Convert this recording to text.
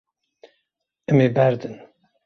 Em ê berdin.